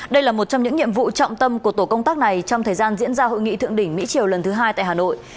đây là một trong những nhiệm vụ trọng tâm của tổ công tác này trong thời gian diễn ra hội nghị thượng đỉnh mỹ triều lần thứ hai tại hà nội